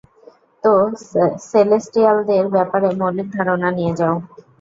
তো, সেলেস্টিয়ালদের ব্যাপারে মৌলিক ধারণা নিয়ে নাও।